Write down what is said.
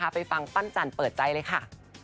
ไปฟังปั้นจันเปิดใจเลยค่ะ